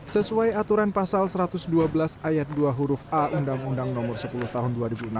sesuai aturan pasal satu ratus dua belas ayat dua huruf a undang undang nomor sepuluh tahun dua ribu enam belas